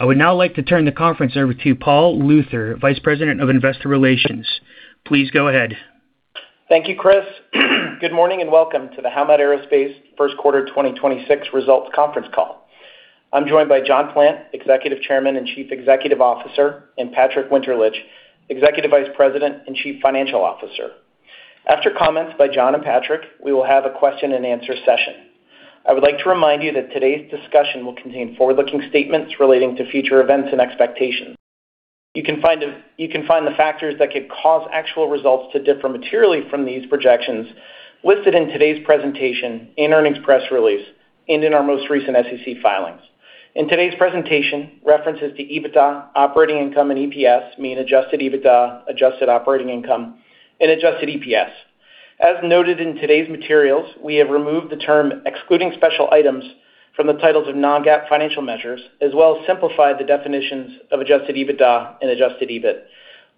I would now like to turn the conference over to Paul Luther, Vice President of Investor Relations. Please go ahead. Thank you, Chris. Good morning and welcome to the Howmet Aerospace First Quarter 2026 Results Conference Call. I'm joined by John Plant, Executive Chairman and Chief Executive Officer, and Patrick Winterlich, Executive Vice President and Chief Financial Officer. After comments by John and Patrick, we will have a question-and-answer session. I would like to remind you that today's discussion will contain forward-looking statements relating to future events and expectations. You can find the factors that could cause actual results to differ materially from these projections listed in today's presentation and earnings press release and in our most recent SEC filings. In today's presentation, references to EBITDA, operating income, and EPS mean Adjusted EBITDA, adjusted operating income, and adjusted EPS. As noted in today's materials, we have removed the term "excluding special items" from the titles of non-GAAP financial measures, as well as simplified the definitions of Adjusted EBITDA and Adjusted EBIT.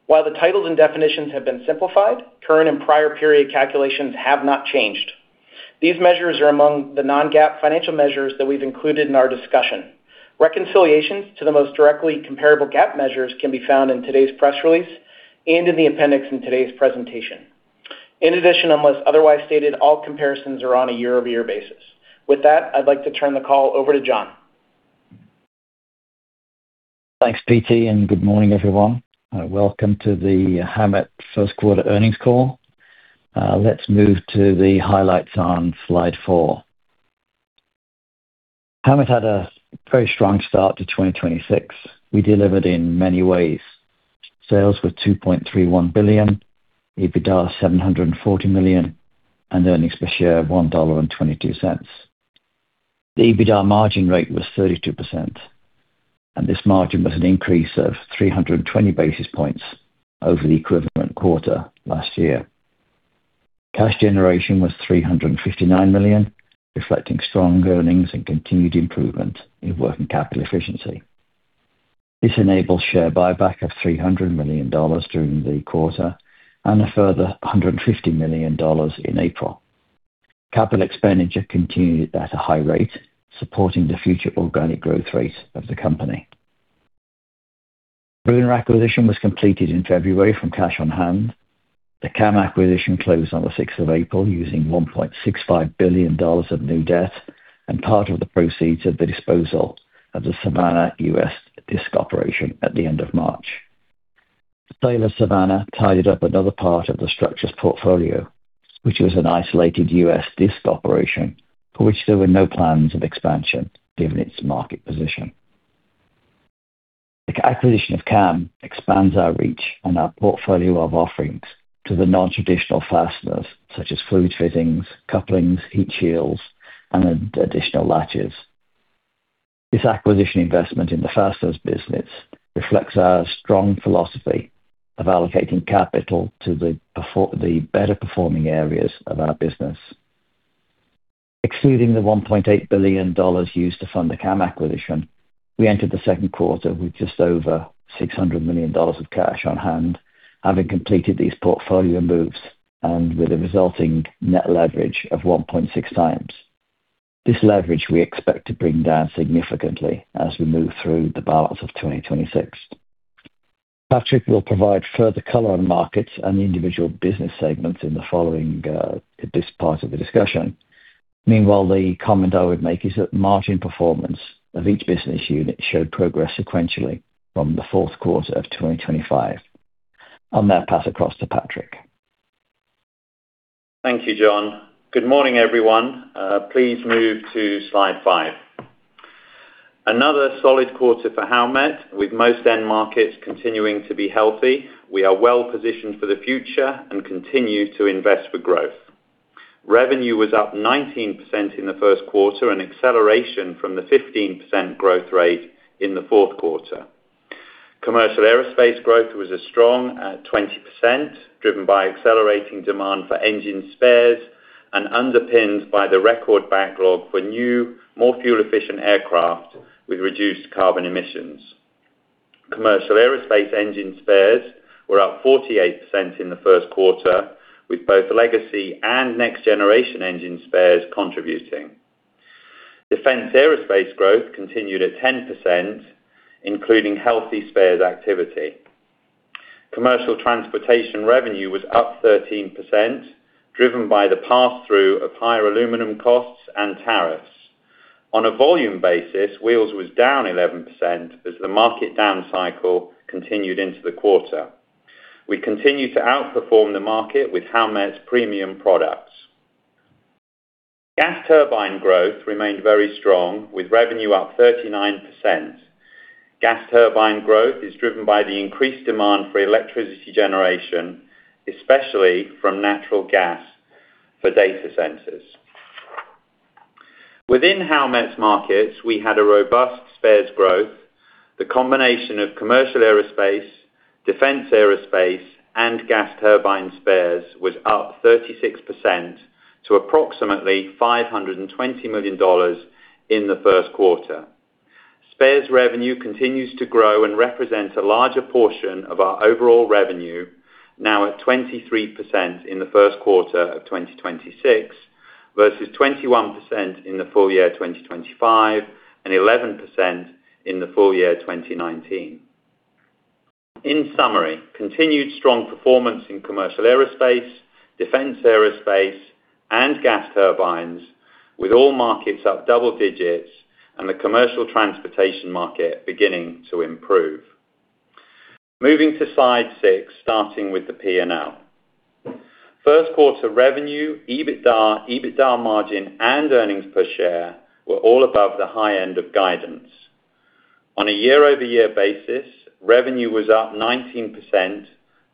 While the titles and definitions have been simplified, current and prior period calculations have not changed. These measures are among the non-GAAP financial measures that we've included in our discussion. Reconciliations to the most directly comparable GAAP measures can be found in today's press release and in the appendix in today's presentation. In addition, unless otherwise stated, all comparisons are on a year-over-year basis. With that, I'd like to turn the call over to John. Thanks, PT. Good morning, everyone. Welcome to the Howmet first quarter earnings call. Let's move to the highlights on slide 4. Howmet had a very strong start to 2026. We delivered in many ways. Sales were $2.31 billion, EBITDA $740 million, and earnings per share of $1.22. The EBITDA margin rate was 32%. This margin was an increase of 320 basis points over the equivalent quarter last year. Cash generation was $359 million, reflecting strong earnings and continued improvement in working capital efficiency. This enables share buyback of $300 million during the quarter and a further $150 million in April. Capital expenditure continued at a high rate, supporting the future organic growth rate of the company. Brunner acquisition was completed in February from cash on-hand. The CAM acquisition closed on the 6th of April, using $1.65 billion of new debt and part of the proceeds of the disposal of the Savannah U.S. Disc business at the end of March. The sale of Savannah tidied up another part of the structures portfolio, which was an isolated U.S. Disc business for which there were no plans of expansion given its market position. The acquisition of CAM expands our reach and our portfolio of offerings to the non-traditional fasteners such as fluid fittings, couplings, heat shields, and additional latches. This acquisition investment in the fasteners business reflects our strong philosophy of allocating capital to the better performing areas of our business. Excluding the $1.8 billion used to fund the CAM acquisition, we entered the second quarter with just over $600 million of cash on hand, having completed these portfolio moves and with a resulting net leverage of 1.6x. This leverage we expect to bring down significantly as we move through the balance of 2026. Patrick will provide further color on markets and the individual business segments in the following, this part of the discussion. Meanwhile, the comment I would make is that margin performance of each business unit showed progress sequentially from the fourth quarter of 2025. On that, I'll pass across to Patrick. Thank you, John. Good morning, everyone. Please move to slide 5. Another solid quarter for Howmet, with most end markets continuing to be healthy. We are well-positioned for the future and continue to invest for growth. Revenue was up 19% in the first quarter, an acceleration from the 15% growth rate in the fourth quarter. Commercial aerospace growth was a strong, at 20%, driven by accelerating demand for engine spares and underpinned by the record backlog for new, more fuel-efficient aircraft with reduced carbon emissions. Commercial aerospace engine spares were up 48% in the first quarter, with both legacy and next-generation engine spares contributing. Defense aerospace growth continued at 10%, including healthy spares activity. Commercial transportation revenue was up 13%, driven by the pass-through of higher aluminum costs and tariffs. On a volume basis, Wheels was down 11% as the market down cycle continued into the quarter. We continue to outperform the market with Howmet's premium products. Gas turbine growth remained very strong, with revenue up 39%. Gas turbine growth is driven by the increased demand for electricity generation, especially from natural gas for data centers. Within Howmet's markets, we had a robust spares growth. The combination of commercial aerospace, defense aerospace, and gas turbine spares was up 36% to approximately $520 million in the first quarter. Spares revenue continues to grow and represents a larger portion of our overall revenue, now at 23% in the first quarter of 2026 versus 21% in the full year 2025, and 11% in the full year 2019. In summary, continued strong performance in commercial aerospace, defense aerospace, and gas turbines, with all markets up double digits and the commercial transportation market beginning to improve. Moving to slide 6, starting with the P&L. First quarter revenue, EBITDA, EBITDA margin, and EPS were all above the high end of guidance. On a year-over-year basis, revenue was up 19%,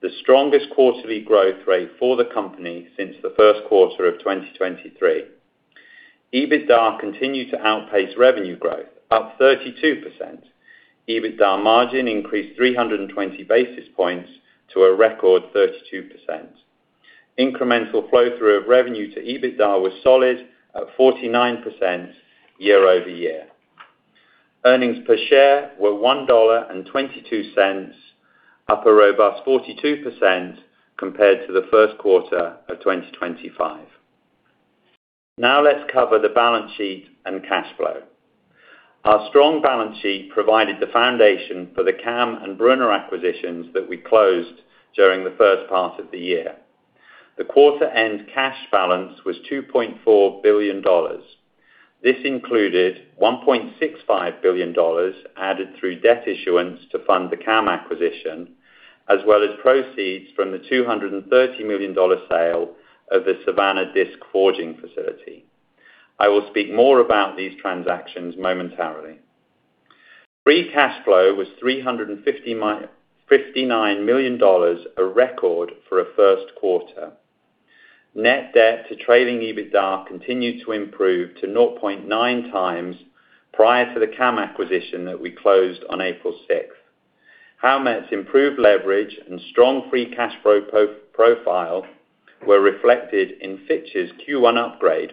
the strongest quarterly growth rate for the company since the first quarter of 2023. EBITDA continued to outpace revenue growth, up 32%. EBITDA margin increased 320 basis points to a record 32%. Incremental flow-through of revenue to EBITDA was solid at 49% year-over-year. Earnings per share were $1.22, up a robust 42% compared to the first quarter of 2025. Now let's cover the balance sheet and cash flow. Our strong balance sheet provided the foundation for the CAM and Brunner acquisitions that we closed during the first part of the year. The quarter end cash balance was $2.4 billion. This included $1.65 billion added through debt issuance to fund the CAM acquisition, as well as proceeds from the $230 million sale of the Savannah disk forging facility. I will speak more about these transactions momentarily. Free cash flow was $359 million, a record for a first quarter. Net debt to trailing EBITDA continued to improve to 0.9x prior to the CAM acquisition that we closed on April 6th. Howmet's improved leverage and strong free cash flow profile were reflected in Fitch's Q1 upgrade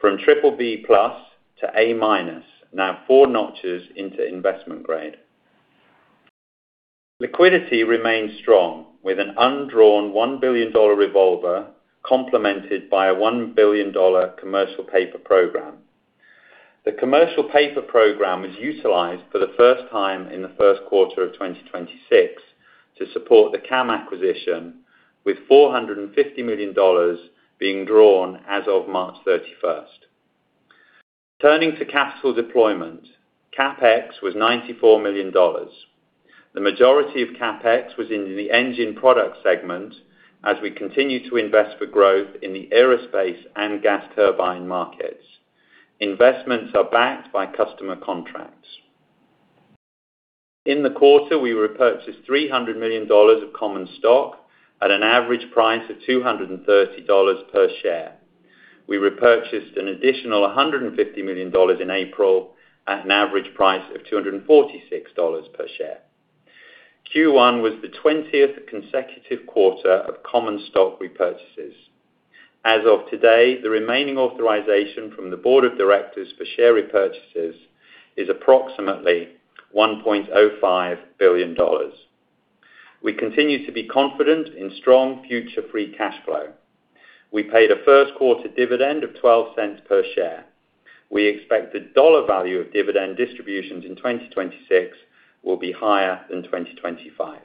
from BBB+ to A-, now four notches into investment grade. Liquidity remains strong with an undrawn $1 billion revolver complemented by a $1 billion commercial paper program. The commercial paper program was utilized for the first time in the first quarter of 2026 to support the CAM acquisition, with $450 million being drawn as of March 31st. Turning to capital deployment, CapEx was $94 million. The majority of CapEx was in the Engine Products segment as we continue to invest for growth in the aerospace and gas turbine markets. Investments are backed by customer contracts. In the quarter, we repurchased $300 million of common stock at an average price of $230 per share. We repurchased an additional $150 million in April at an average price of $246 per share. Q1 was the 20th consecutive quarter of common stock repurchases. As of today, the remaining authorization from the Board of Directors for share repurchases is approximately $1.05 billion. We continue to be confident in strong future free cash flow. We paid a first quarter dividend of $0.12 per share. We expect the dollar value of dividend distributions in 2026 will be higher than 2025.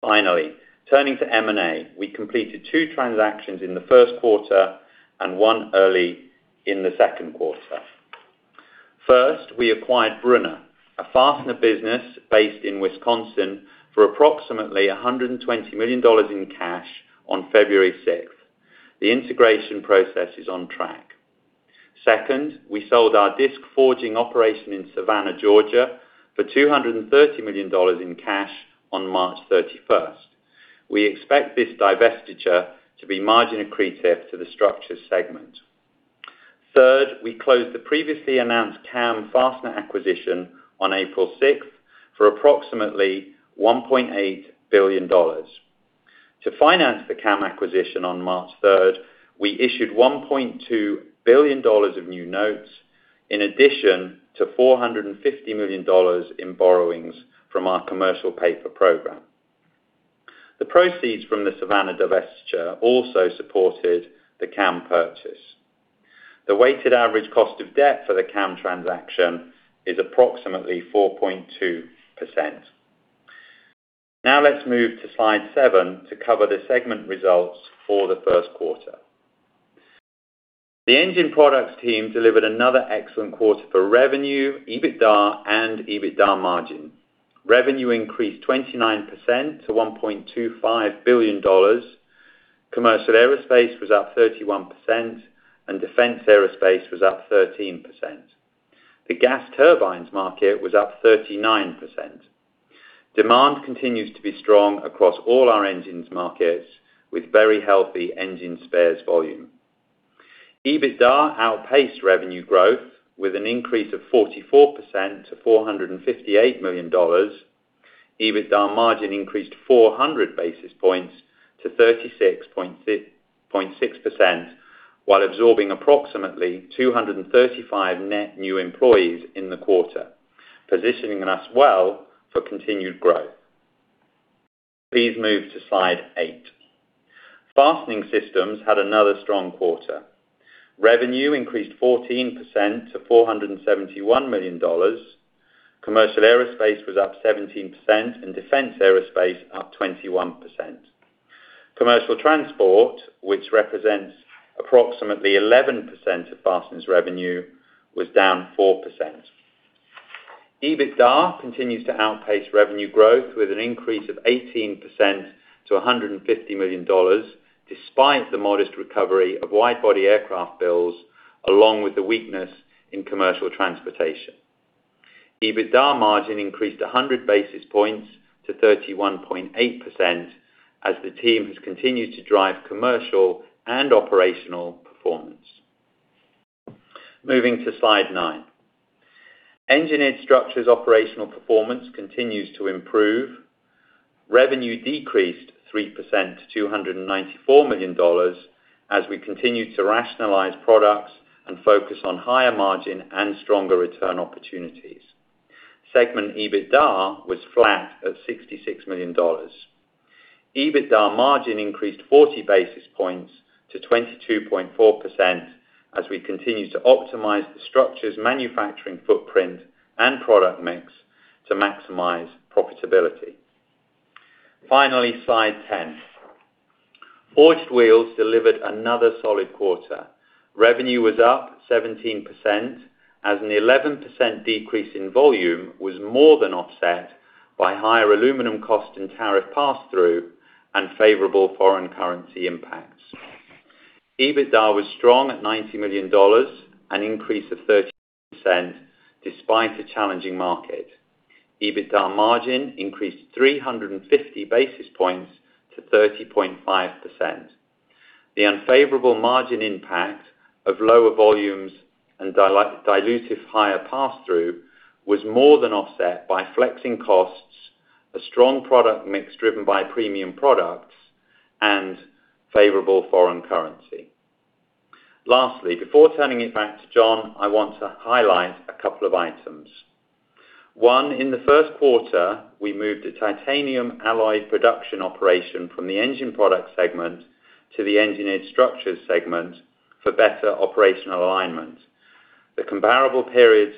Finally, turning to M&A. We completed two transactions in the first quarter and one early in the second quarter. First, we acquired Brunner, a fastener business based in Wisconsin, for approximately $120 million in cash on February 6th. The integration process is on track. Second, we sold our disc forging operation in Savannah, Georgia, for $230 million in cash on March 31st. We expect this divestiture to be margin accretive to the Structures segment. Third, we closed the previously announced CAM Fastener acquisition on April 6th for approximately $1.8 billion. To finance the CAM acquisition on March 3rd, we issued $1.2 billion of new notes, in addition to $450 million in borrowings from our commercial paper program. The proceeds from the Savannah divestiture also supported the CAM purchase. The weighted average cost of debt for the CAM transaction is approximately 4.2%. Now let's move to slide 7 to cover the segment results for the first quarter. The Engine Products team delivered another excellent quarter for revenue, EBITDA and EBITDA margin. Revenue increased 29% to $1.25 billion. Commercial aerospace was up 31%, and defense aerospace was up 13%. The gas turbines market was up 39%. Demand continues to be strong across all our engines markets with very healthy engine spares volume. EBITDA outpaced revenue growth with an increase of 44% to $458 million. EBITDA margin increased 400 basis points to 36.6% while absorbing approximately 235 net new employees in the quarter, positioning us well for continued growth. Please move to slide 8. Fastening Systems had another strong quarter. Revenue increased 14% to $471 million. Commercial aerospace was up 17% and defense aerospace up 21%. Commercial transport, which represents approximately 11% of Fasten's revenue, was down 4%. EBITDA continues to outpace revenue growth with an increase of 18% to $150 million, despite the modest recovery of wide-body aircraft bills, along with the weakness in commercial transportation. EBITDA margin increased 100 basis points to 31.8% as the team has continued to drive commercial and operational performance. Moving to slide 9. Engineered Structures operational performance continues to improve. Revenue decreased 3% to $294 million as we continue to rationalize products and focus on higher margin and stronger return opportunities. Segment EBITDA was flat at $66 million. EBITDA margin increased 40 basis points to 22.4% as we continue to optimize the Structures manufacturing footprint and product mix to maximize profitability. Finally, slide 10. Forged Wheels delivered another solid quarter. Revenue was up 17% as an 11% decrease in volume was more than offset by higher aluminum cost and tariff pass-through and favorable foreign currency impacts. EBITDA was strong at $90 million, an increase of 13% despite the challenging market. EBITDA margin increased 350 basis points to 30.5%. The unfavorable margin impact of lower volumes and dilutive higher pass-through was more than offset by flexing costs, a strong product mix driven by premium products and favorable foreign currency. Lastly, before turning it back to John, I want to highlight a couple of items. One, in the first quarter, we moved a titanium alloy production operation from the Engine Products segment to the Engineered Structures segment for better operational alignment. The comparable periods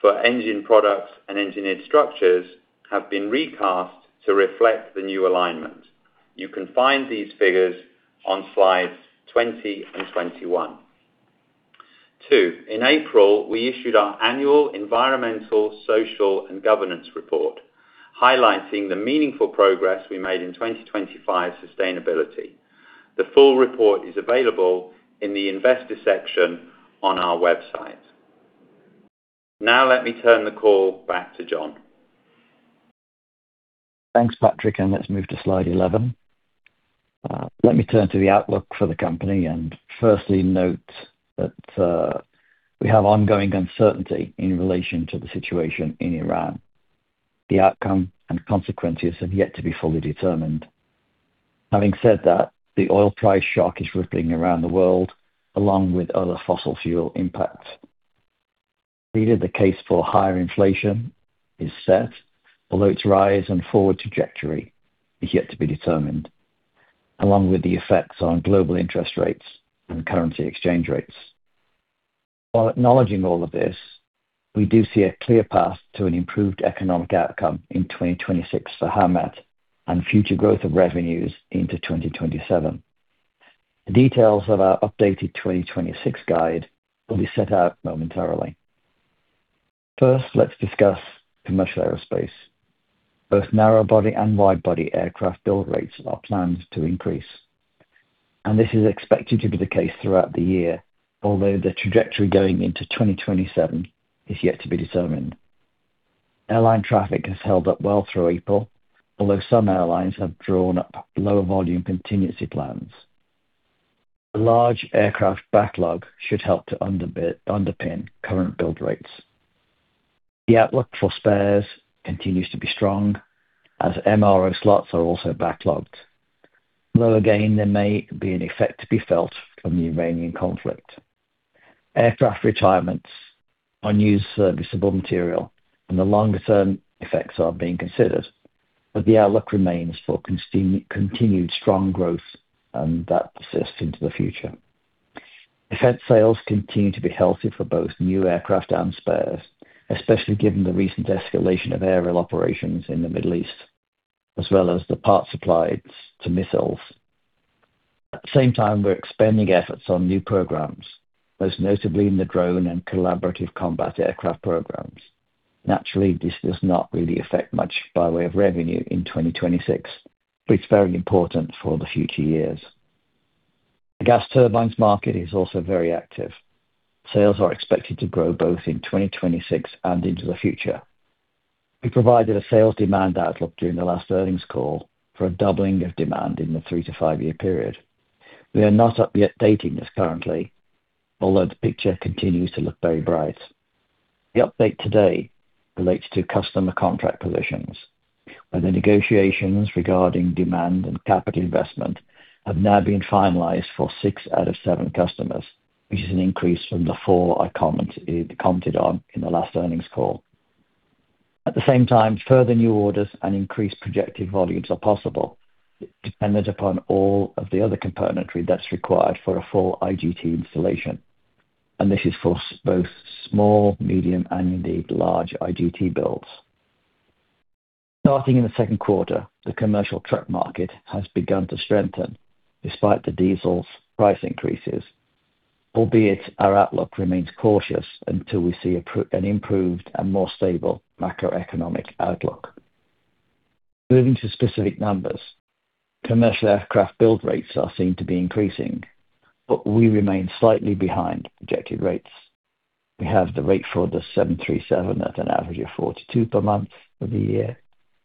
for Engine Products and Engineered Structures have been recast to reflect the new alignment. You can find these figures on slides 20 and 21. Two, in April, we issued our annual environmental, social and governance report, highlighting the meaningful progress we made in 2025 sustainability. The full report is available in the Investor section on our website. Let me turn the call back to John. Thanks, Patrick. Let me turn to the outlook for the company and firstly note that we have ongoing uncertainty in relation to the situation in Iran. The outcome and consequences have yet to be fully determined. Having said that, the oil price shock is rippling around the world, along with other fossil fuel impacts. Clearly, the case for higher inflation is set, although its rise and forward trajectory is yet to be determined, along with the effects on global interest rates and currency exchange rates. While acknowledging all of this, we do see a clear path to an improved economic outcome in 2026 for Howmet and future growth of revenues into 2027. The details of our updated 2026 guide will be set out momentarily. First, let's discuss commercial aerospace. Both narrow body and wide-body aircraft build rates are planned to increase. This is expected to be the case throughout the year, although the trajectory going into 2027 is yet to be determined. Airline traffic has held up well through April, although some airlines have drawn up lower volume contingency plans. The large aircraft backlog should help to underpin current build rates. The outlook for spares continues to be strong as MRO slots are also backlogged, although again, there may be an effect to be felt from the Iranian conflict. Aircraft retirements on used serviceable material and the longer term effects are being considered. The outlook remains for continued strong growth and that persists into the future. Defense sales continue to be healthy for both new aircraft and spares, especially given the recent escalation of aerial operations in the Middle East, as well as the parts supplied to missiles. At the same time, we're expanding efforts on new programs, most notably in the drone and collaborative combat aircraft programs. Naturally, this does not really affect much by way of revenue in 2026, but it's very important for the future years. The gas turbines market is also very active. Sales are expected to grow both in 2026 and into the future. We provided a sales demand outlook during the last earnings call for a doubling of demand in the three to five-year period. We are not updating this currently, although the picture continues to look very bright. The update today relates to customer contract positions, where the negotiations regarding demand and capital investment have now been finalized for six out of seven customers, which is an increase from the four I commented on in the last earnings call. At the same time, further new orders and increased projected volumes are possible, dependent upon all of the other componentry that's required for a full IGT installation. This is for both small, medium, and indeed large IGT builds. Starting in the second quarter, the commercial truck market has begun to strengthen despite the diesel's price increases, albeit our outlook remains cautious until we see an improved and more stable macroeconomic outlook. Moving to specific numbers, commercial aircraft build rates are seen to be increasing, we remain slightly behind projected rates. We have the rate for the 737 at an average of $42 per month for the year.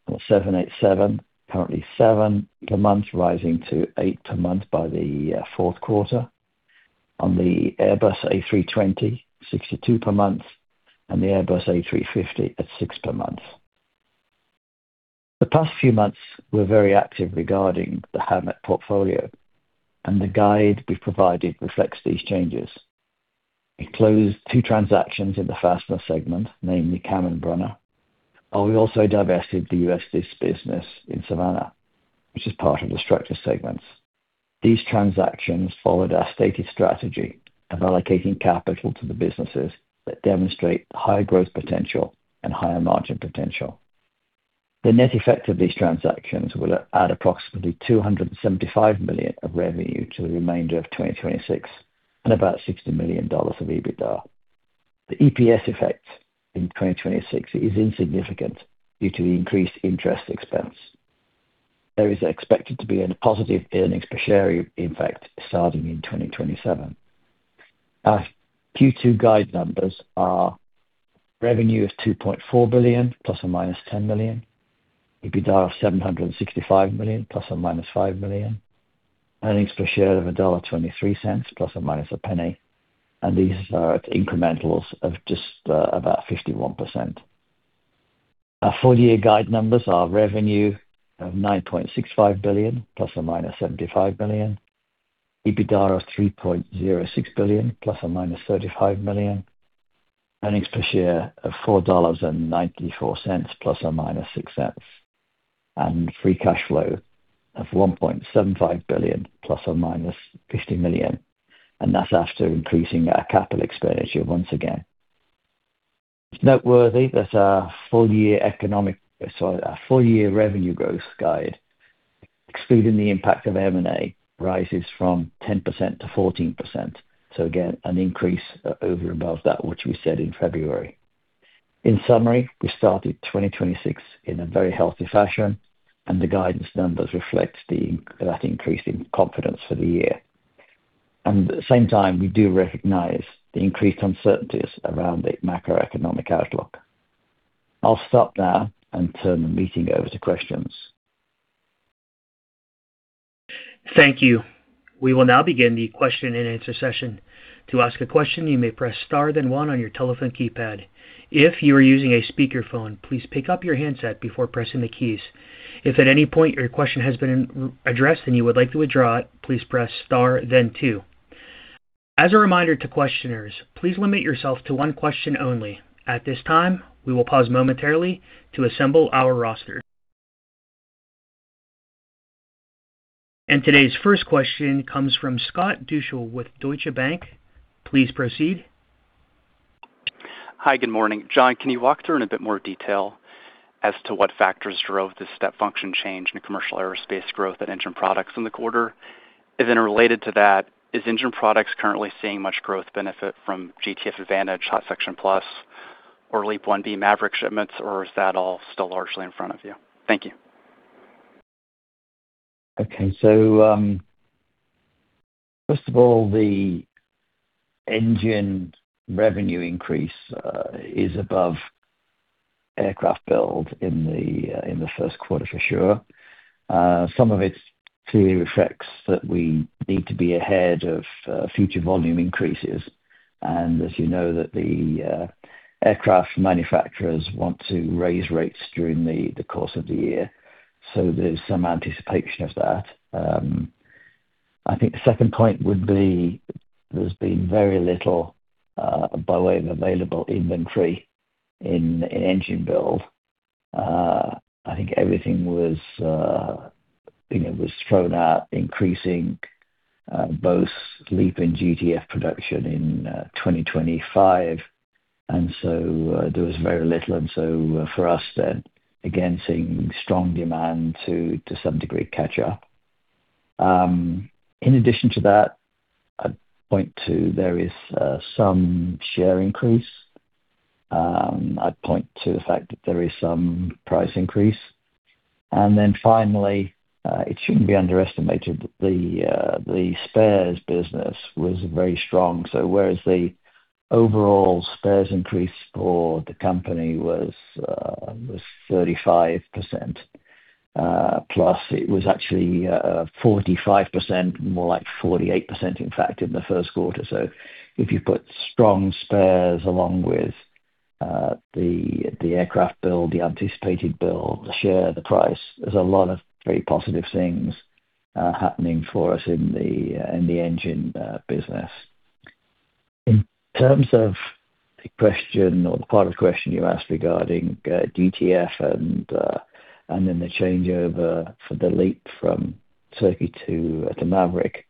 On the 787, currently $7 per month, rising to $8 per month by the fourth quarter. On the Airbus A320 $62 per month. On the Airbus A350 at $6 per month. The past few months were very active regarding the Howmet portfolio, and the guide we provided reflects these changes. We closed two transactions in the fastener segment, namely CAM Brunner, and we also divested the U.S. Disc business in Savannah, which is part of the structure segments. These transactions followed our stated strategy of allocating capital to the businesses that demonstrate high growth potential and higher margin potential. The net effect of these transactions will add approximately $275 million of revenue to the remainder of 2026 and about $60 million of EBITDA. The EPS effect in 2026 is insignificant due to the increased interest expense. There is expected to be a positive earnings per share effect starting in 2027. Our Q2 guide numbers are revenue of $2.4 billion ±$10 million, EBITDA of $765 million ±$5 million, earnings per share of $1.23 ±$0.01, and these are at incrementals of just about 51%. Our full-year guide numbers are revenue of $9.65 billion ±$75 million, EBITDA of $3.06 billion ±$35 million, earnings per share of $4.94 ±$0.06, and free cash flow of $1.75 billion ±$50 million. That's after increasing our capital expenditure once again. It's noteworthy that our full-year revenue growth guide, excluding the impact of M&A, rises from 10%-14%. Again, an increase over and above that which we said in February. In summary, we started 2026 in a very healthy fashion and the guidance numbers reflect that increase in confidence for the year. At the same time, we do recognize the increased uncertainties around the macroeconomic outlook. I'll stop now and turn the meeting over to questions. Thank you. We will now begin the question-and-answer session. To ask a question, you may press star then one on your telephone keypad. If you are using a speakerphone, please pick up your handset before pressing the keys. If at any point your question has been addressed and you would like to withdraw it, please press star then two. As a reminder to questioners, please limit yourself to one question only. At this time, we will pause momentarily to assemble our roster. Today's first question comes from Scott Deuschle with Deutsche Bank. Please proceed. Hi, good morning. John, can you walk through in a bit more detail as to what factors drove the step function change in commercial aerospace growth at Engine Products in the quarter? Related to that, is Engine Products currently seeing much growth benefit from GTF Advantage, Hot Section+ or LEAP-1B MARICK shipments, or is that all still largely in front of you? Thank you. Okay. First of all, the engine revenue increase is above aircraft build in the first quarter for sure. Some of it clearly reflects that we need to be ahead of future volume increases. As you know that the aircraft manufacturers want to raise rates during the course of the year, there's some anticipation of that. I think the second point would be there's been very little by way of available inventory in engine build. I think everything was, you know, was thrown at increasing both LEAP and GTF production in 2025. There was very little. For us then again seeing strong demand to some degree catch up. In addition to that, I'd point to there is some share increase. I'd point to the fact that there is some price increase. Finally, it shouldn't be underestimated that the spares business was very strong. Whereas the overall spares increase for the company was 35%+ it was actually 45%, more like 48%, in fact, in the first quarter. If you put strong spares along with the aircraft build, the anticipated build, the share, the price, there's a lot of very positive things happening for us in the engine business. In terms of the question or the part of the question you asked regarding GTF and then the changeover for the LEAP from Turkey to the MARICK,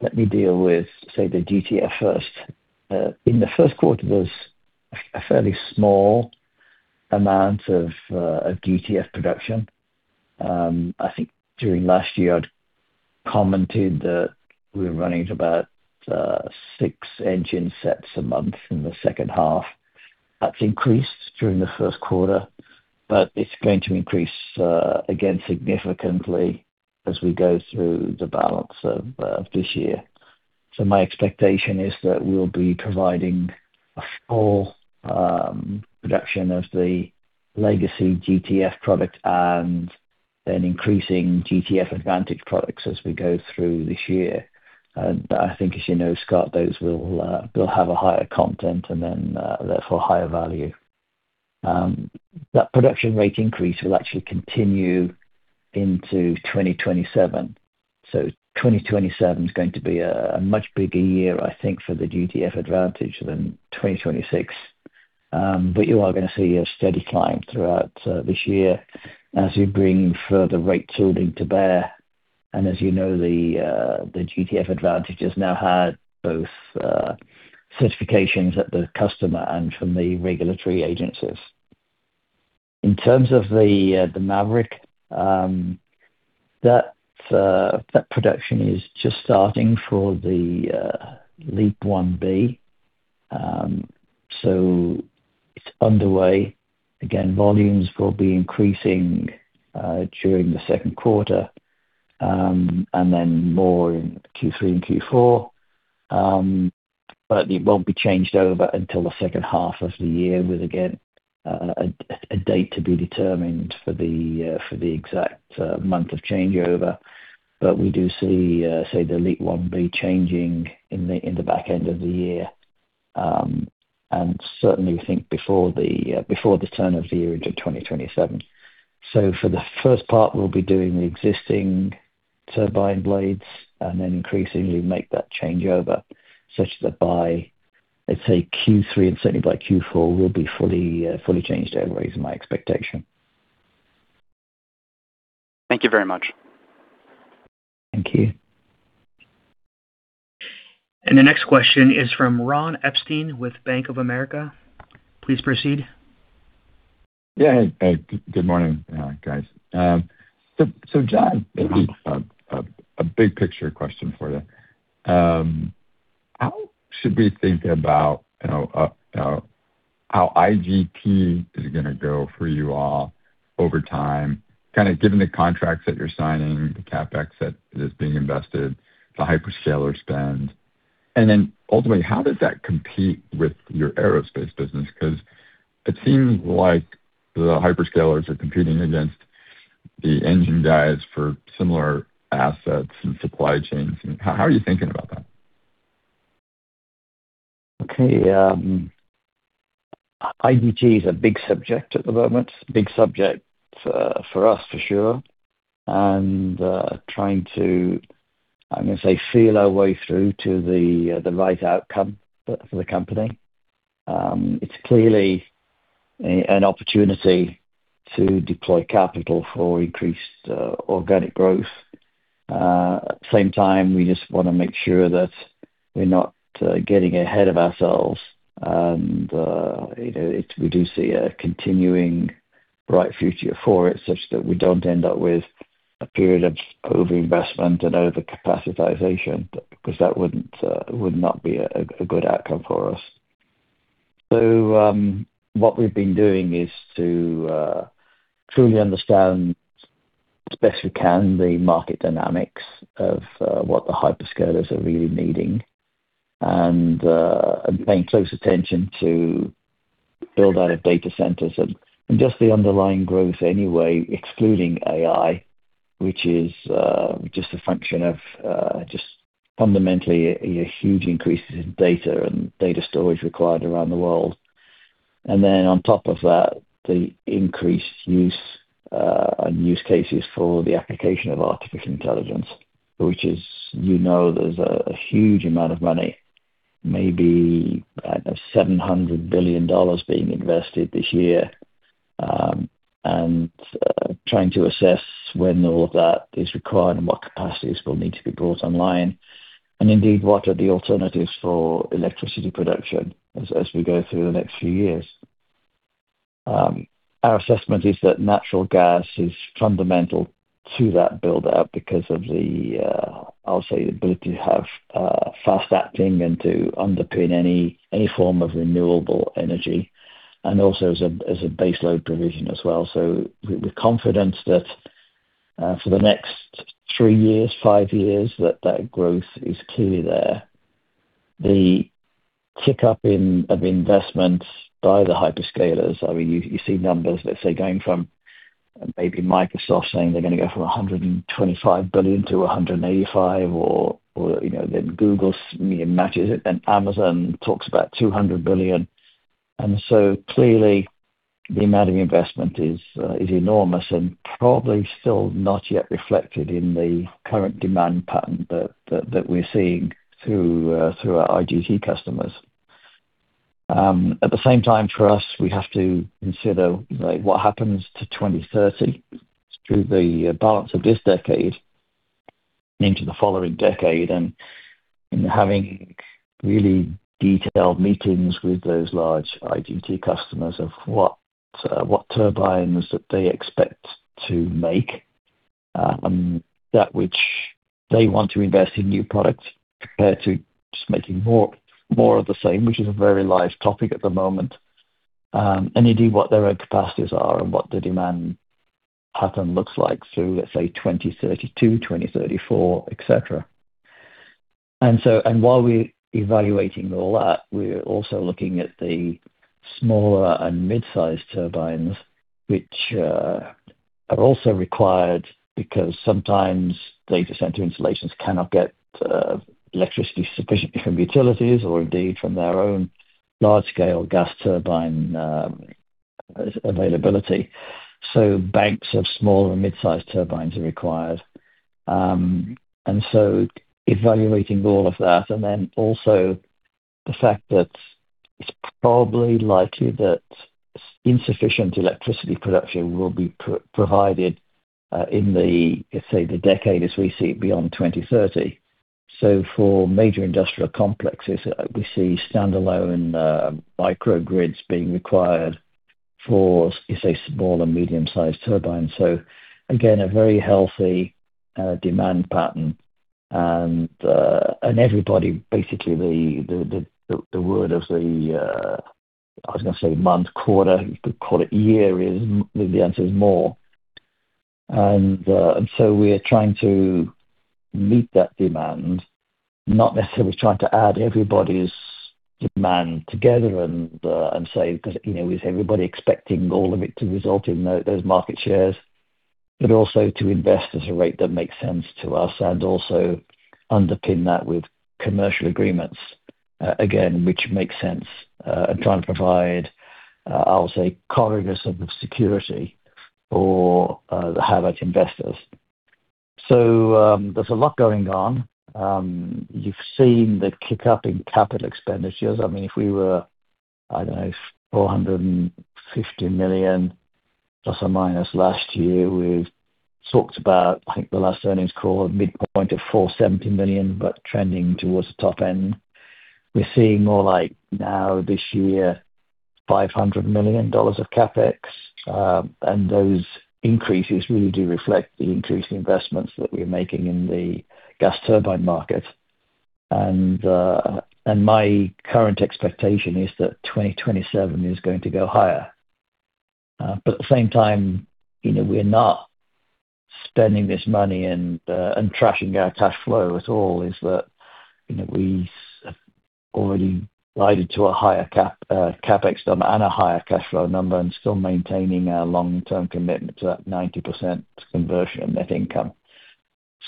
let me deal with, say, the GTF first. In the first quarter, there was a fairly small amount of GTF production. I think during last year I'd commented that we were running at about six engine sets a month in the second half. That's increased during the first quarter, but it's going to increase again significantly as we go through the balance of this year. My expectation is that we will be providing a full production of the legacy GTF product and then increasing GTF Advantage products as we go through this year. I think as you know, Scott, those will have a higher content and then, therefore higher value. That production rate increase will actually continue into 2027. 2027 is going to be a much bigger year, I think, for the GTF Advantage than 2026. You are going to see a steady climb throughout this year as we bring further rate building to bear. As you know, the GTF Advantage has now had both certifications at the customer and from the regulatory agencies. In terms of the MARICK, that production is just starting for the LEAP-1B. It's underway. Again, volumes will be increasing during the second quarter, and then more in Q3 and Q4. It won't be changed over until the 2nd half of the year with, again, a date to be determined for the exact month of changeover. We do see the LEAP-1B changing in the back end of the year. Certainly we think before the turn of the year into 2027. For the 1st part, we'll be doing the existing turbine blades and then increasingly make that changeover such that by, let's say Q3 and certainly by Q4, we'll be fully changed over is my expectation. Thank you very much. Thank you. The next question is from Ron Epstein with Bank of America. Please proceed. Hey, good morning, guys. So John, maybe a big picture question for you. How should we think about, you know, you know, how IGT is gonna go for you all over time, kind of given the contracts that you're signing, the CapEx that is being invested, the hyperscaler spend? Ultimately, how does that compete with your aerospace business? 'Cause it seems like the hyperscalers are competing against the engine guys for similar assets and supply chains. How are you thinking about that? Okay. IGT is a big subject at the moment, big subject for us, for sure. Trying to, I'm gonna say, feel our way through to the right outcome for the company. It's clearly an opportunity to deploy capital for increased organic growth. At the same time, we just wanna make sure that we're not getting ahead of ourselves and, you know, We do see a continuing bright future for it, such that we don't end up with a period of over-investment and over-capacitization, because that would not be a good outcome for us. What we've been doing is to truly understand as best we can the market dynamics of what the hyperscalers are really needing and paying close attention to build out of data centers and just the underlying growth anyway, excluding AI, which is just a function of just fundamentally a huge increases in data and data storage required around the world. And then on top of that, the increased use and use cases for the application of artificial intelligence, which is, you know, there's a huge amount of money, maybe, I don't know, $700 billion being invested this year. Trying to assess when all of that is required and what capacities will need to be brought online, and indeed, what are the alternatives for electricity production as we go through the next few years. Our assessment is that natural gas is fundamental to that buildup because of the, I'll say, the ability to have fast-acting and to underpin any form of renewable energy, and also as a base load provision as well. With confidence that for the next three years, five years, that growth is clearly there. The kick-up of investments by the hyperscalers, I mean, you see numbers, let's say, going from maybe Microsoft saying they're gonna go from $125 billion-$185 billion or, you know, Google matches it, Amazon talks about $200 billion. Clearly the amount of investment is enormous and probably still not yet reflected in the current demand pattern that we're seeing through our IGT customers. At the same time, for us, we have to consider, like, what happens to 2030 through the balance of this decade into the following decade. Having really detailed meetings with those large IGT customers of what turbines that they expect to make, that which they want to invest in new products compared to just making more of the same, which is a very live topic at the moment. Indeed what their own capacities are and what the demand pattern looks like through, let's say, 2032, 2034, et cetera. While we're evaluating all that, we're also looking at the smaller and mid-sized turbines, which are also required because sometimes data center installations cannot get electricity sufficiently from utilities or indeed from their own large scale gas turbine availability. Banks of small and mid-sized turbines are required. Evaluating all of that, and then also the fact that it's probably likely that insufficient electricity production will be provided, in the, let's say, the decade as we see it beyond 2030. For major industrial complexes, we see standalone microgrids being required for, let's say, small and medium-sized turbines. Again, a very healthy demand pattern. Everybody, basically, the word of the, I was gonna say month, quarter, you could call it year is the answer is more. So we're trying to meet that demand, not necessarily trying to add everybody's demand together and say, 'cause, you know, is everybody expecting all of it to result in those market shares, but also to invest at a rate that makes sense to us and also underpin that with commercial agreements, again, which make sense. Trying to provide, I'll say, confidence and security for the Howmet investors. There's a lot going on. You've seen the kick-up in capital expenditures. I mean, if we were, I don't know, $450 million ± last year, we've talked about, I think the last earnings call, a midpoint of $470 million, but trending towards the top end. We're seeing more like now this year, $500 million of CapEx. Those increases really do reflect the increasing investments that we're making in the gas turbine market. My current expectation is that 2027 is going to go higher. At the same time, you know, we're not spending this money and trashing our cash flow at all. Is that, you know, we have already glided to a higher CapEx number and a higher cash flow number and still maintaining our long-term commitment to that 90% conversion of net income.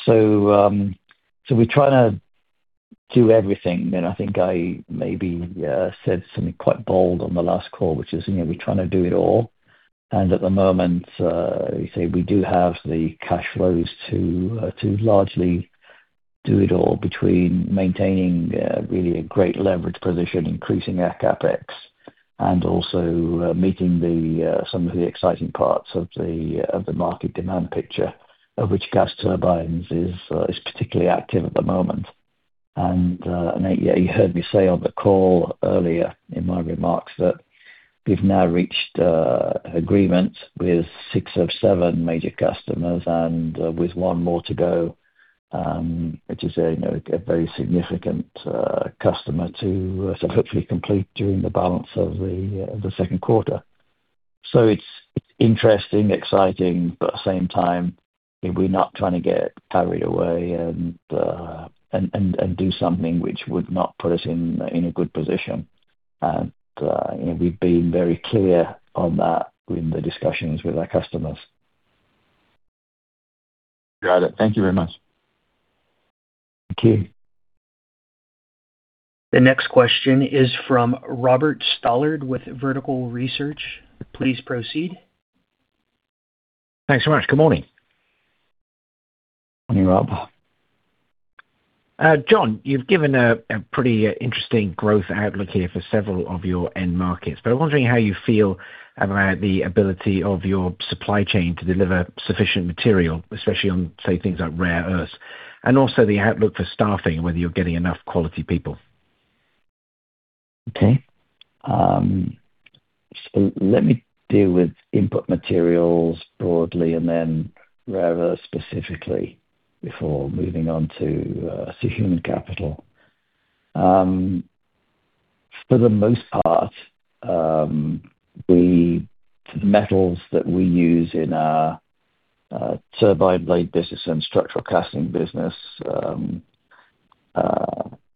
We're trying to do everything. You know, I think I maybe said something quite bold on the last call, which is, you know, we're trying to do it all. At the moment, we do have the cash flows to largely do it all between maintaining really a great leverage position, increasing our CapEx and also meeting some of the exciting parts of the market demand picture, of which gas turbines is particularly active at the moment. You heard me say on the call earlier in my remarks that we've now reached agreement with six of seven major customers and with one more to go, which is a very significant customer to so hopefully complete during the balance of the second quarter. It's interesting, exciting, but at the same time, you know, we're not trying to get carried away and do something which would not put us in a good position. You know, we've been very clear on that in the discussions with our customers. Got it. Thank you very much. Thank you. The next question is from Robert Stallard with Vertical Research. Please proceed. Thanks so much. Good morning. Morning, Rob. John, you've given a pretty interesting growth outlook here for several of your end markets, but I'm wondering how you feel about the ability of your supply chain to deliver sufficient material, especially on, say, things like rare earths, and also the outlook for staffing, whether you're getting enough quality people? Okay. Let me deal with input materials broadly and then rarer specifically before moving on to human capital. For the most part, the metals that we use in our turbine blade business and structural casting business,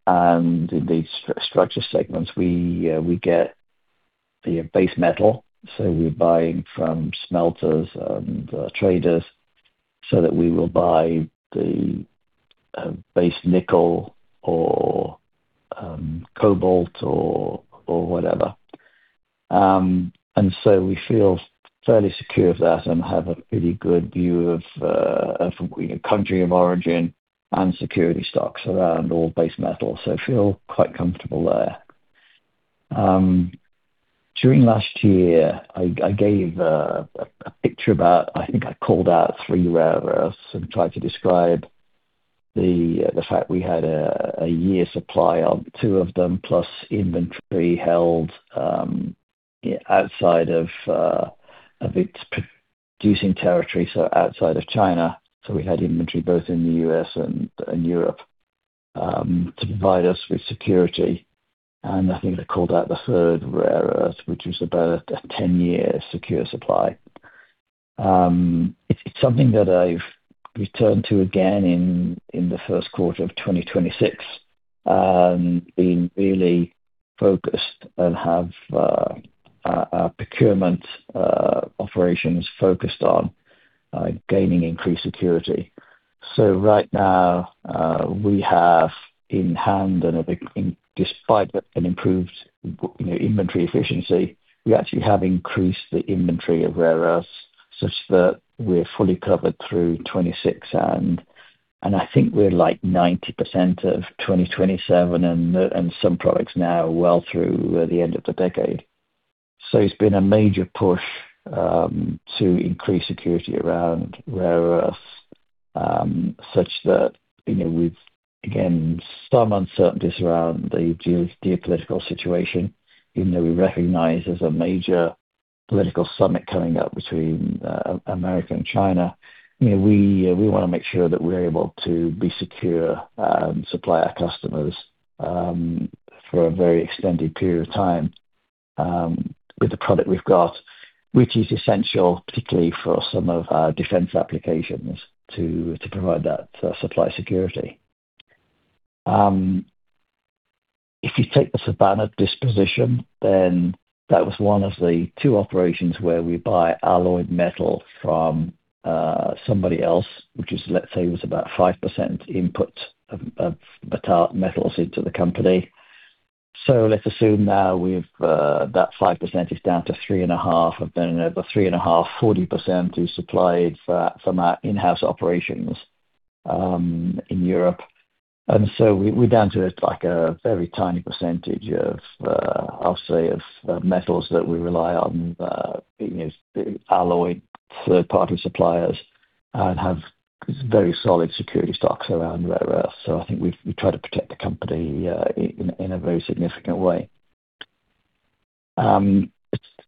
and in the structure segments, we get the base metal. We're buying from smelters and traders so that we will buy the base nickel or cobalt or whatever. We feel fairly secure of that and have a pretty good view of, you know, country of origin and security stocks around all base metals. Feel quite comfortable there. During last year, I gave a picture I think I called out three rare earths and tried to describe the fact we had a year supply of two of them, plus inventory held outside of its producing territory, so outside of China. We had inventory both in the U.S. and Europe to provide us with security. I think they called out the third rare earth, which was about a 10-year secure supply. It's something that I've returned to again in the first quarter of 2026 and been really focused and have our procurement operations focused on gaining increased security. Right now, we have in hand and, despite an improved, you know, inventory efficiency, we actually have increased the inventory of rare earths such that we're fully covered through 2026 and I think we're like 90% of 2027, and some products now well through the end of the decade. It's been a major push to increase security around rare earths such that, you know, with, again, some uncertainties around the geopolitical situation, even though we recognize there's a major political summit coming up between America and China. You know, we wanna make sure that we're able to be secure and supply our customers for a very extended period of time with the product we've got, which is essential, particularly for some of our defense applications, to provide that supply security. If you take the Savannah disposition, that was one of the two operations where we buy alloyed metal from somebody else, which is, let's say, was about 5% input of metals into the company. Let's assume now we've that 5% is down to 3.5%, over 3.5%, 40% is supplied from our in-house operations in Europe. We're down to, like, a very tiny percentage of, I'll say, of metals that we rely on, you know, alloyed third-party suppliers and have very solid security stocks around rare earth. I think we've, we try to protect the company in a very significant way. I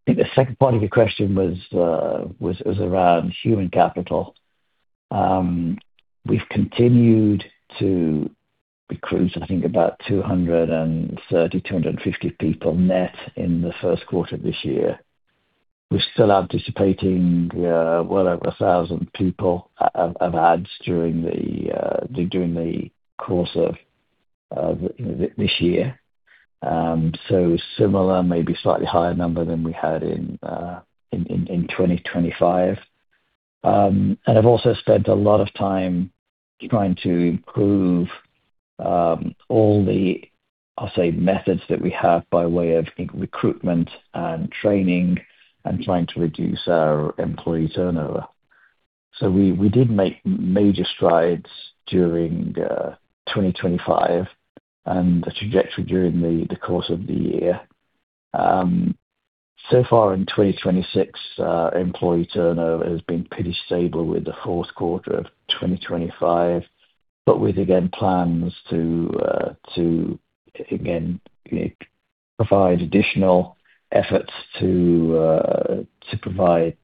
think the second part of your question was around human capital. We've continued to recruit, I think, about 230, 250 people net in the first quarter of this year. We're still anticipating well over 1,000 people of adds during the course of this year. Similar, maybe slightly higher number than we had in 2025. I've also spent a lot of time trying to improve all the, I'll say, methods that we have by way of recruitment and training and trying to reduce our employee turnover. We did make major strides during 2025 and the trajectory during the course of the year. So far in 2026, employee turnover has been pretty stable with the fourth quarter of 2025, but with again plans to again provide additional efforts to provide,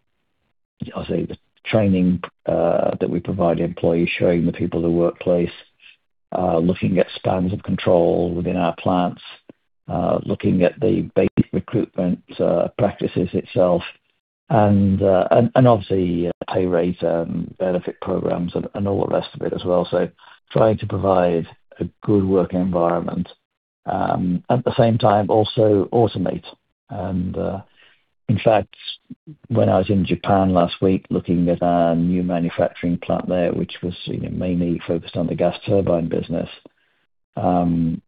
I'll say, the training that we provide employees, showing the people the workplace, looking at spans of control within our plants, looking at the basic recruitment practices itself and obviously pay rates, benefit programs and all the rest of it as well. Trying to provide a good working environment, at the same time also automate. In fact, when I was in Japan last week looking at our new manufacturing plant there, which was, you know, mainly focused on the gas turbine business, again,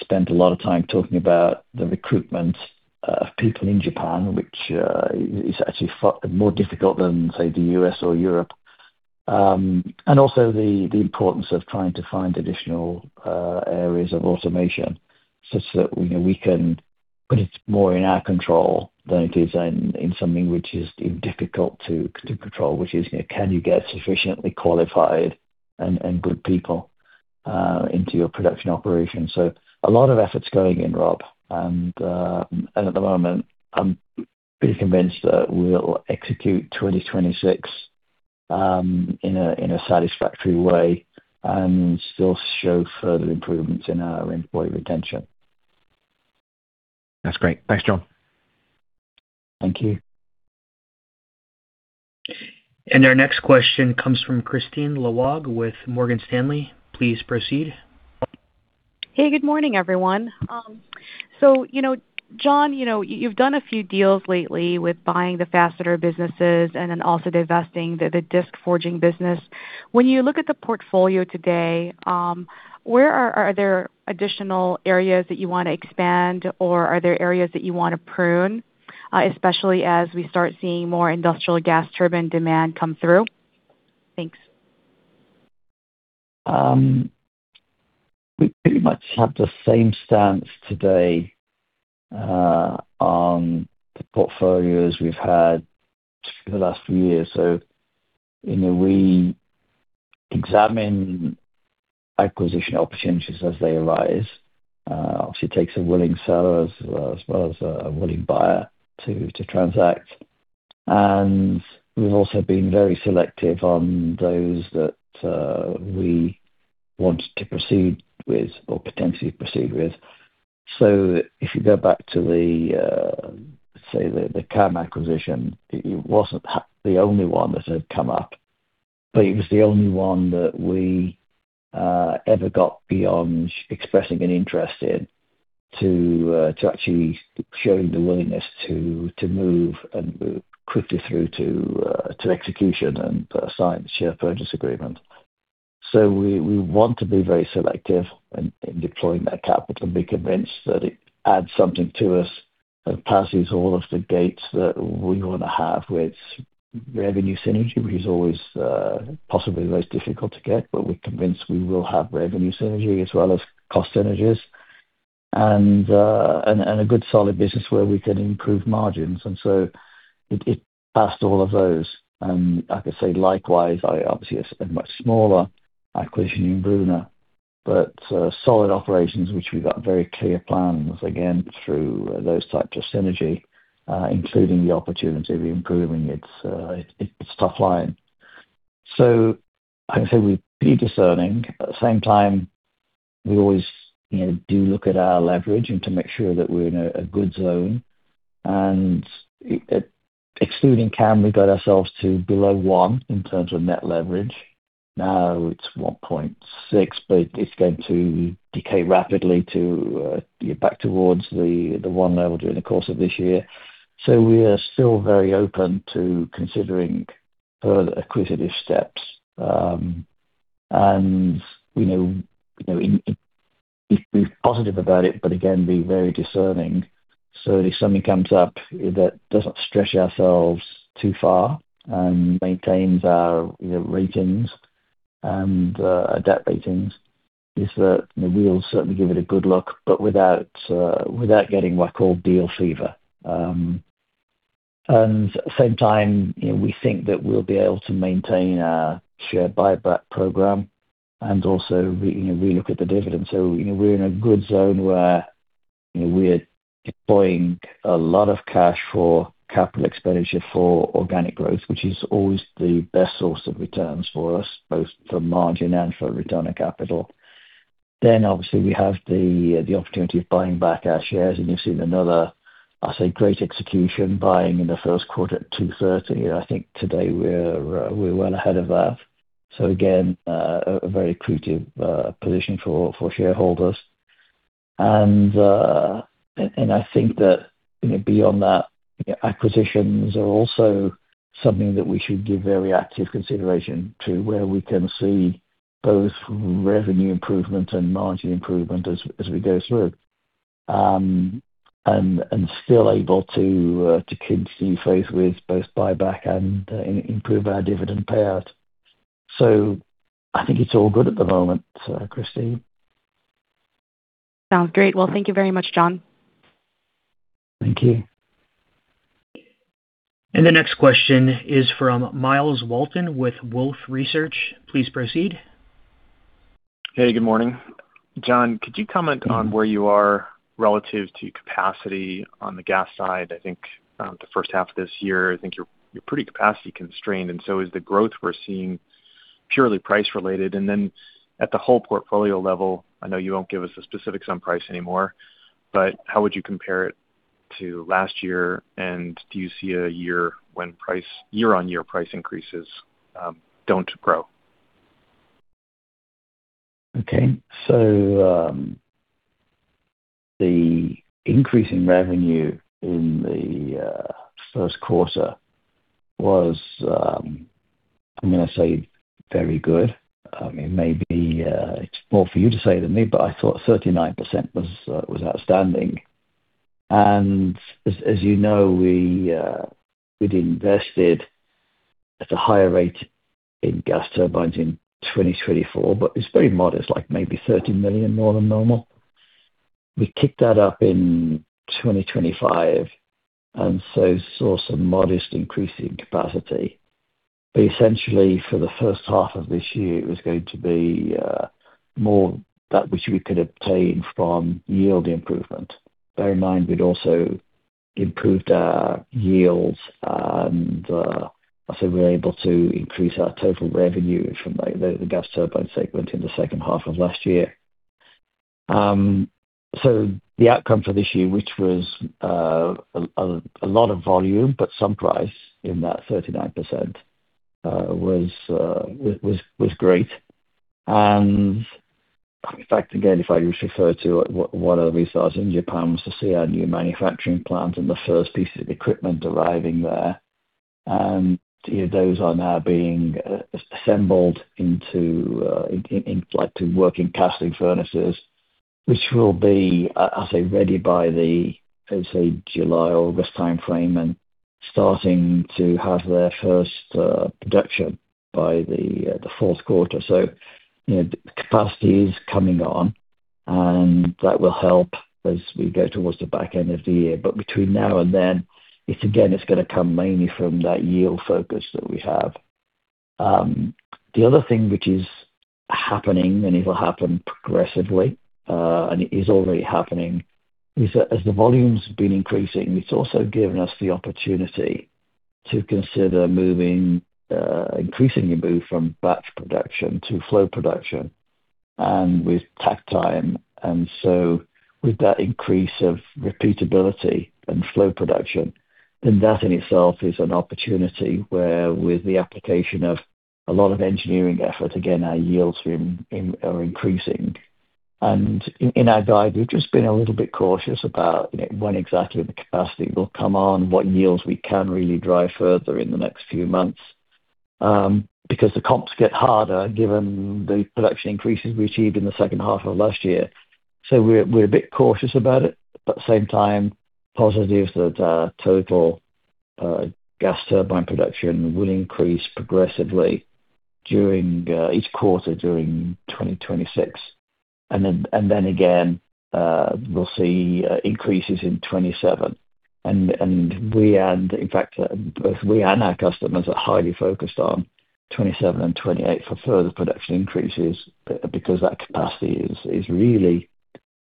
spent a lot of time talking about the recruitment of people in Japan, which is actually more difficult than, say, the U.S. or Europe. Also the importance of trying to find additional areas of automation. Such that, you know, we can put it more in our control than it is in something which is difficult to control, which is, you know, can you get sufficiently qualified and good people into your production operation? A lot of efforts going in, Rob, and at the moment, I'm pretty convinced that we'll execute 2026 in a satisfactory way and still show further improvements in our employee retention. That's great. Thanks, John. Thank you. Our next question comes from Kristine Liwag with Morgan Stanley. Please proceed. Good morning, everyone. You know, John, you know, you've done a few deals lately with buying the fastener businesses and then also divesting the disc forging business. When you look at the portfolio today, where are there additional areas that you want to expand or are there areas that you want to prune, especially as we start seeing more industrial gas turbine demand come through? Thanks. We pretty much have the same stance today on the portfolios we've had for the last few years. You know, we examine acquisition opportunities as they arise. Obviously takes a willing seller as well as a willing buyer to transact. We've also been very selective on those that we want to proceed with or potentially proceed with. If you go back to the, say, the CAM acquisition, it wasn't the only one that had come up, but it was the only one that we ever got beyond expressing an interest in to actually showing the willingness to move and move quickly through to execution and sign the share purchase agreement. We, we want to be very selective in deploying that capital and be convinced that it adds something to us and passes all of the gates that we wanna have with revenue synergy, which is always, possibly the most difficult to get. We're convinced we will have revenue synergy as well as cost synergies and a good solid business where we can improve margins. It, it passed all of those. I could say, likewise, obviously, a much smaller acquisition in Brunner, but solid operations, which we've got very clear plans, again, through those types of synergy, including the opportunity of improving its top line. I can say we're pretty discerning. At the same time, we always, you know, do look at our leverage and to make sure that we're in a good zone. Excluding CAM, we got ourselves to below 1 in terms of net leverage. Now it's 1.6, but it's going to decay rapidly back towards the 1 level during the course of this year. We are still very open to considering further acquisitive steps. You know, be positive about it, but again, be very discerning. If something comes up that doesn't stretch ourselves too far and maintains our, you know, ratings and debt ratings, we'll certainly give it a good look, but without getting what I call deal fever. At the same time, you know, we think that we'll be able to maintain our share buyback program and also relook at the dividend. You know, we're in a good zone where, you know, we're deploying a lot of cash for capital expenditure for organic growth, which is always the best source of returns for us, both for margin and for return on capital. Obviously, we have the opportunity of buying back our shares. You've seen another, I'd say, great execution, buying in the first quarter at $2.30. I think today we're well ahead of that. Again, a very accretive position for shareholders. I think that, you know, beyond that, acquisitions are also something that we should give very active consideration to, where we can see both revenue improvement and margin improvement as we go through. Still able to keep seeing faith with both buyback and improve our dividend payout. I think it's all good at the moment, Kristine. Sounds great. Well, thank you very much, John. Thank you. The next question is from Myles Walton with Wolfe Research. Please proceed. Hey, good morning. John, could you comment on where you are relative to capacity on the gas side? I think the 1st half of this year, you're pretty capacity constrained. Is the growth we're seeing purely price related? At the whole portfolio level, I know you won't give us a specific sum price anymore, but how would you compare it to last year? Do you see a year when year-on-year price increases don't grow? Okay. The increase in revenue in the first quarter was, I'm gonna say very good. I mean, maybe, it's more for you to say than me, but I thought 39% was outstanding. As you know, we'd invested at a higher rate in gas turbines in 2024, but it's very modest, like maybe $30 million more than normal. We kicked that up in 2025 and so saw some modest increase in capacity. Essentially, for the first half of this year, it was going to be more that which we could obtain from yield improvement. Bear in mind, we'd also improved our yields and, also we were able to increase our total revenue from, like, the gas turbine segment in the second half of last year. The outcome for this year, which was a lot of volume but some price in that 39%, was great. Again, if I just refer to Wada Works in Japan was to see our new manufacturing plant and the first piece of equipment arriving there. Those are now being assembled into working casting furnaces, which will be I say ready by the, I would say July, August timeframe and starting to have their first production by the fourth quarter. You know, capacity is coming on and that will help as we go towards the back end of the year. Between now and then, it's again, it's gonna come mainly from that yield focus that we have. The other thing which is happening, and it'll happen progressively, and it is already happening, is that as the volumes been increasing, it's also given us the opportunity to consider moving, increasingly move from batch production to flow production and with takt time. With that increase of repeatability and flow production, that in itself is an opportunity where with the application of a lot of engineering effort, again, our yields are increasing. In our guide, we've just been a little bit cautious about, you know, when exactly the capacity will come on, what yields we can really drive further in the next few months, because the comps get harder given the production increases we achieved in the second half of last year. We're a bit cautious about it, but at the same time, positive that total gas turbine production will increase progressively during each quarter during 2026. Then again, we'll see increases in 2027. In fact, both we and our customers are highly focused on 2027 and 2028 for further production increases because that capacity is really,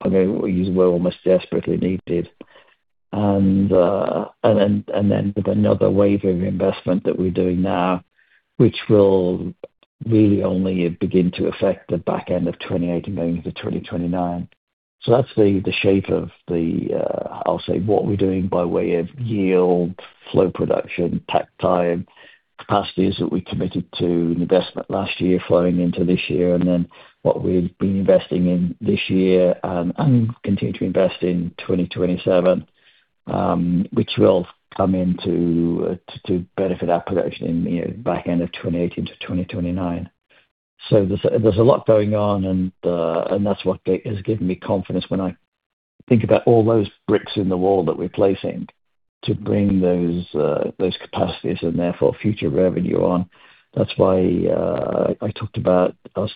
I mean, is well, almost desperately needed. Then with another wave of investment that we're doing now, which will really only begin to affect the back end of 2028 and going into 2029. That's the shape of what we're doing by way of yield, flow production, takt time, capacities that we committed to investment last year flowing into this year, and then what we've been investing in this year and continue to invest in 2027, which will come into to benefit our production in back end of 2028 into 2029. There's a lot going on and that's what is giving me confidence when I think about all those bricks in the wall that we're placing to bring those capacities and therefore future revenue on. That's why I talked about us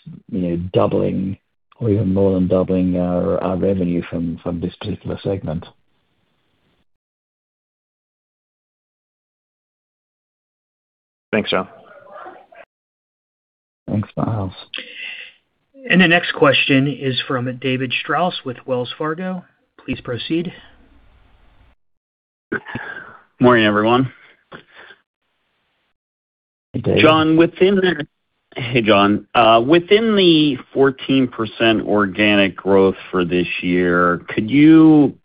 doubling or even more than doubling our revenue from this particular segment. Thanks, John. Thanks, Myles. The next question is from David Strauss with Wells Fargo. Please proceed. Morning, everyone. Hey, David. John, hey, John. Within the 14% organic growth for this year, could you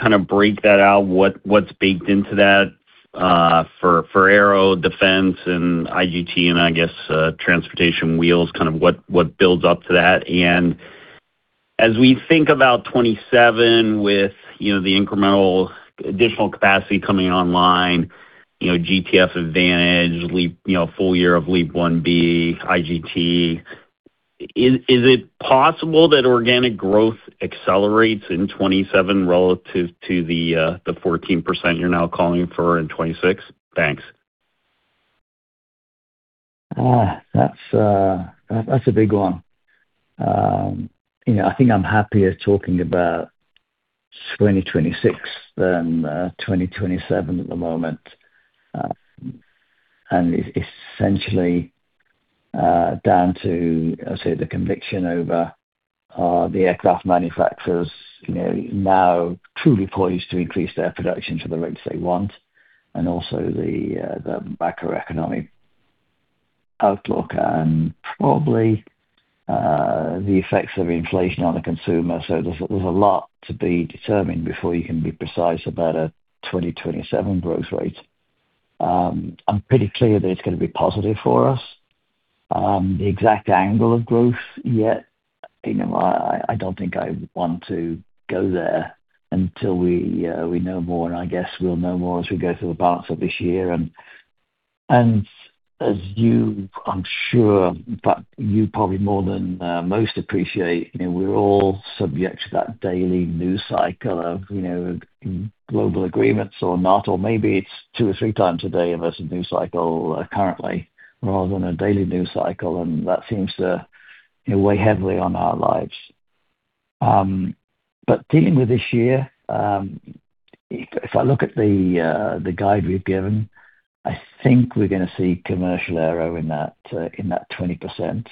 kind of break that out, what's baked into that, for aero, defense and IGT and I guess, transportation wheels, kind of what builds up to that? As we think about 2027 with, you know, the incremental additional capacity coming online, you know, GTF Advantage, LEAP, you know, full year of LEAP-1B, IGT, is it possible that organic growth accelerates in 2027 relative to the 14% you're now calling for in 2026? Thanks. That's a big one. You know, I think I'm happier talking about 2026 than 2027 at the moment. And essentially, down to, let's say, the conviction over the aircraft manufacturers, you know, now truly poised to increase their production to the rates they want and also the macroeconomic outlook and probably the effects of inflation on the consumer. There's a lot to be determined before you can be precise about a 2027 growth rate. I'm pretty clear that it's gonna be positive for us. The exact angle of growth yet, you know, I don't think I want to go there until we know more. I guess we'll know more as we go through the balance of this year. As you, I'm sure, but you probably more than most appreciate, you know, we're all subject to that daily news cycle of, you know, global agreements or not, or maybe it's 2x or 3x a day versus a news cycle currently, rather than a daily news cycle, and that seems to, you know, weigh heavily on our lives. Dealing with this year, if I look at the guide we've given, I think we're gonna see commercial aero in that 20%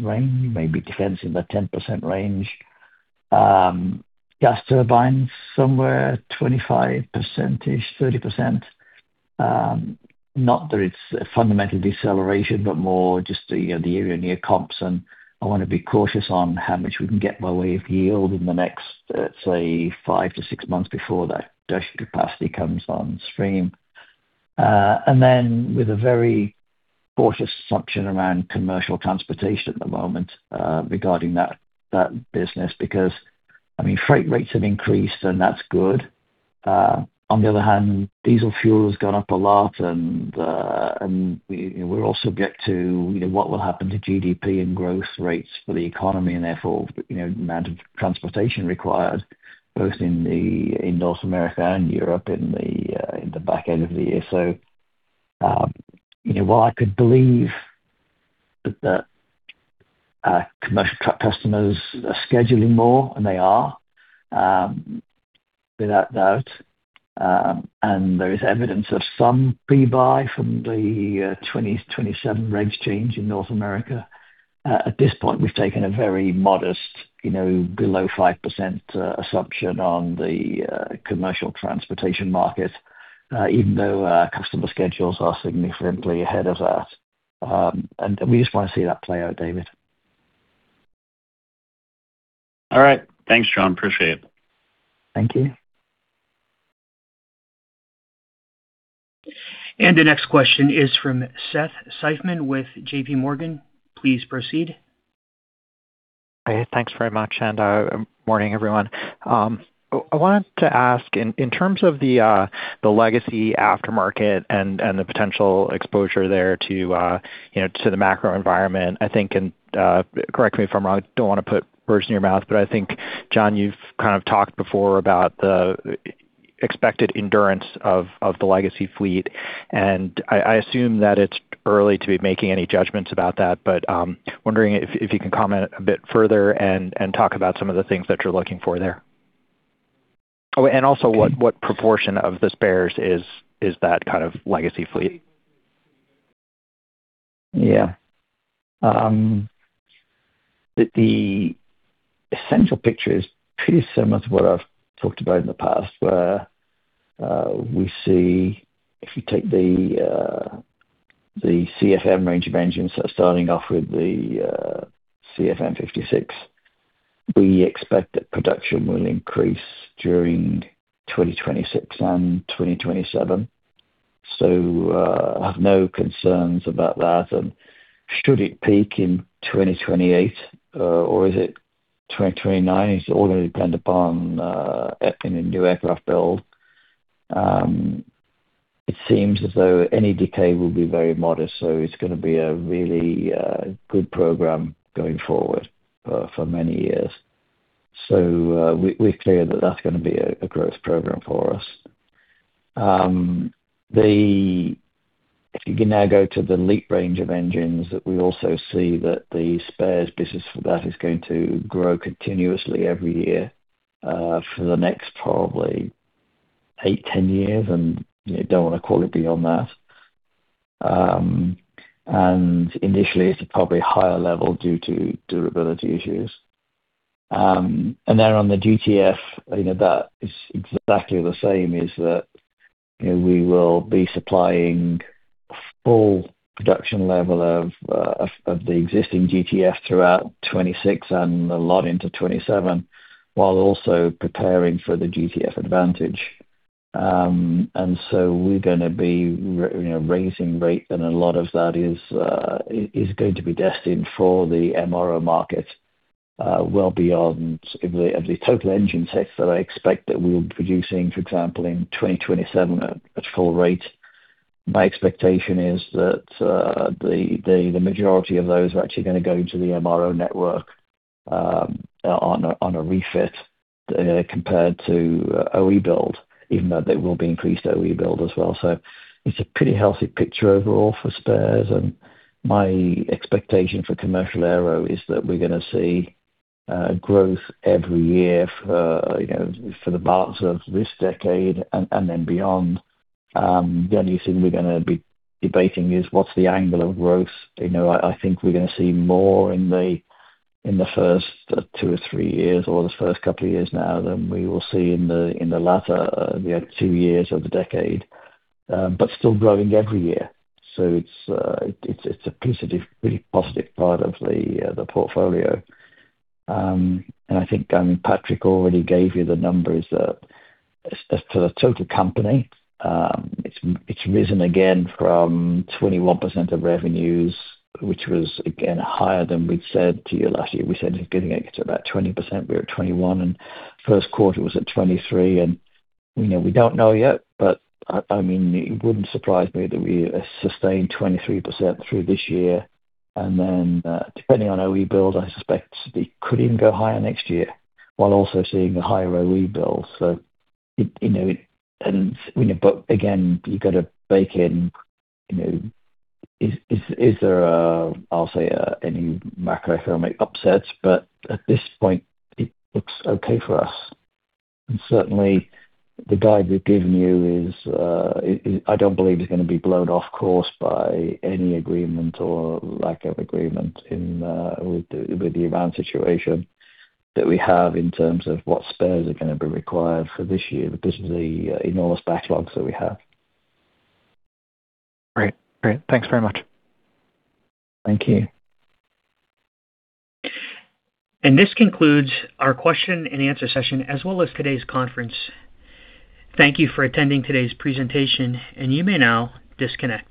range, maybe defense in the 10% range. Gas turbines somewhere 25%-30%. Not that it's a fundamental deceleration, but more just the, you know, the year-over-year comps, I wanna be cautious on how much we can get by way of yield in the next, let's say, five to six months before that capacity comes on stream. Then with a very cautious assumption around commercial transportation at the moment, regarding that business because, I mean, freight rates have increased, and that's good. On the other hand, diesel fuel has gone up a lot and we're all subject to, you know, what will happen to GDP and growth rates for the economy and therefore, you know, the amount of transportation required both in North America and Europe in the back end of the year. You know, while I could believe that commercial customers are scheduling more, and they are, without doubt, and there is evidence of some pre-buy from the 2027 regs change in North America. At this point, we've taken a very modest, you know, below 5%, assumption on the commercial transportation market, even though customer schedules are significantly ahead of that. We just wanna see that play out, David. All right. Thanks, John. Appreciate it. Thank you. The next question is from Seth Seifman with JPMorgan. Please proceed. Hey. Thanks very much, and morning, everyone. I wanted to ask in terms of the legacy aftermarket and the potential exposure there to, you know, to the macro environment, I think, correct me if I'm wrong, don't wanna put words in your mouth, but I think, John, you've kind of talked before about the expected endurance of the legacy fleet. I assume that it's early to be making any judgments about that, but wondering if you can comment a bit further and talk about some of the things that you're looking for there. Also what proportion of the spares is that kind of legacy fleet? Yeah. The essential picture is pretty similar to what I've talked about in the past, where we see if you take the CFM range of engines, so starting off with the CFM56, we expect that production will increase during 2026 and 2027. I have no concerns about that. Should it peak in 2028, or is it 2029? It's all gonna depend upon, you know, new aircraft build. It seems as though any decay will be very modest, so it's gonna be a really good program going forward for many years. We're clear that that's gonna be a growth program for us. If you can now go to the LEAP range of engines, we also see that the spares business for that is going to grow continuously every year for the next probably eight, ten years, and, you know, don't wanna call it beyond that. Initially, it's probably higher level due to durability issues. On the GTF, you know, that is exactly the same, is that, you know, we will be supplying full production level of the existing GTF throughout 2026 and a lot into 2027, while also preparing for the GTF Advantage. We're gonna be you know, raising rate, and a lot of that is going to be destined for the MRO market, well beyond of the total engine sets that I expect that we'll be producing. For example, in 2027 at full rate, my expectation is that the majority of those are actually gonna go into the MRO network, on a, on a refit, compared to OE build, even though they will be increased OE build as well. It's a pretty healthy picture overall for spares, and my expectation for commercial aero is that we're gonna see growth every year for, you know, for the balance of this decade and then beyond. The only thing we're gonna be debating is what's the angle of growth. You know, I think we're gonna see more in the first two or three years or the first couple of years now than we will see in the latter, you know, two years of the decade, but still growing every year. It's, it's a positive, pretty positive part of the portfolio. I think, I mean, Patrick already gave you the numbers that as to the total company, it's risen again from 21% of revenues, which was, again, higher than we'd said to you last year. We said it's getting to about 20%, we're at 21%, and first quarter was at 2023. You know, we don't know yet, but, I mean, it wouldn't surprise me that we sustain 23% through this year. Then, depending on OE build, I suspect it could even go higher next year while also seeing a higher OE build. You know, and, you know, but again, you gotta bake in, you know, is there any macroeconomic upsets? At this point, it looks okay for us. Certainly, the guide we've given you is, I don't believe, is going to be blown off course by any agreement or lack of agreement with the Iran situation that we have in terms of what spares are going to be required for this year because of the enormous backlogs that we have. Great. Great. Thanks very much. Thank you. This concludes our question-and-answer session, as well as today's conference. Thank you for attending today's presentation, and you may now disconnect.